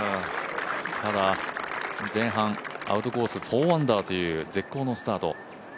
ただ、前半アウトコース、４アンダーという絶好のスタート。